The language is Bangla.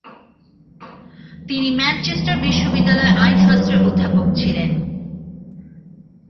তিনি ম্যানচেস্টার বিশ্ববিদ্যালয়ে আইনশাস্ত্রের অধ্যাপক ছিলেন।